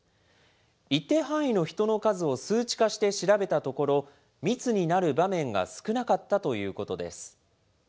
一定範囲の人の数を数値化して調べたところ、密になる場面が少なかったということです。